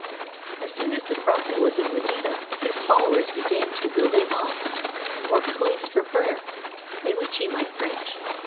As soon as the prophet was in Medina, his followers began to build a mosque, or place for prayer, in which he might preach.